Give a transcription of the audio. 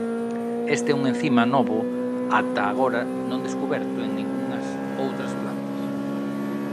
Este é un encima novo ata agora non descuberto en ningunhas outras plantas.